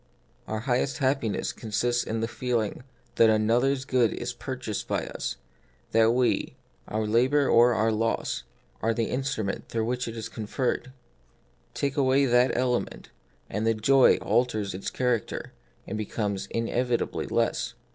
Our highest happiness consists in the feeling that another's good is purchased by us, that we — our labour or our loss — are the instrument through which it is conferred. Take away that element, and the joy alters its character, and becomes inevitably less.